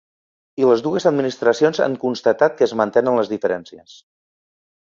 I les dues administracions han constatat que es mantenen les diferències.